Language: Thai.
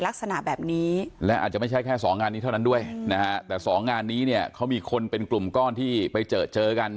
เขามีคนเป็นกลุ่มก้อนที่ไปเจอเจอกัน